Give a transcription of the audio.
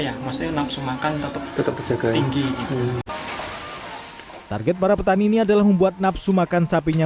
ya maksudnya nafsu makan tetap terjaga tinggi target para petani ini adalah membuat nafsu makan sapinya